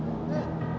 firman yakin suaranya